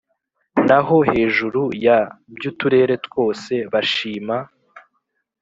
Naho hejuru ya by uturere twose bashima